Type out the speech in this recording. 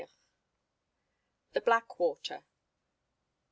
'* THE BLACK WATER.